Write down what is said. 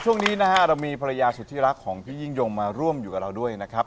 ช่วงนี้นะฮะเรามีภรรยาสุดที่รักของพี่ยิ่งยงมาร่วมอยู่กับเราด้วยนะครับ